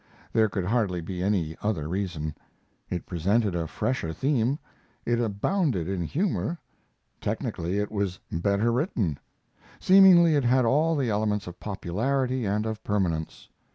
There could hardly be any other reason. It presented a fresher theme; it abounded in humor; technically, it was better written; seemingly it had all the elements of popularity and of permanence.